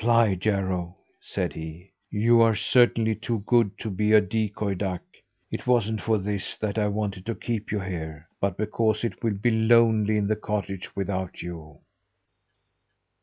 "Fly, Jarro!" said he. "You are certainly too good to be a decoy duck. It wasn't for this that I wanted to keep you here; but because it will be lonely in the cottage without you."